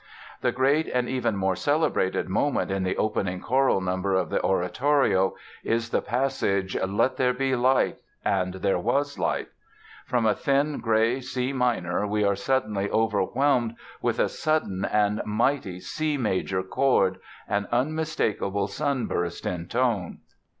The great and even more celebrated moment in the opening choral number of the oratorio is the passage "Let there be Light and there was Light". From a thin, gray C minor we are suddenly overwhelmed with a sudden and mighty C major chord—an unmistakable sunburst in tone.